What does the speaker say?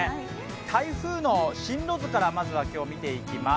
台風の進路図からまずは今日、見ていきます。